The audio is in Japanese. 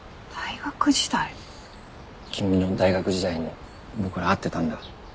君の大学時代に僕ら会ってたんだ。